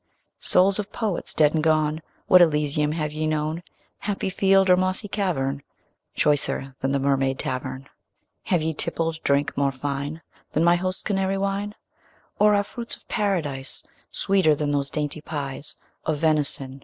Souls of Poets dead and gone, What Elysium have ye known, Happy field or mossy cavern, Choicer than the Mermaid Tavern? Have ye tippled drink more fine Than mine host's Canary wine? Or are fruits of Paradise Sweeter than those dainty pies Of venison?